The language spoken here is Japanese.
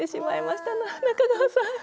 中川さん。